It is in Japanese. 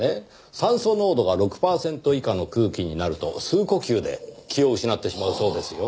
酸素濃度が６パーセント以下の空気になると数呼吸で気を失ってしまうそうですよ。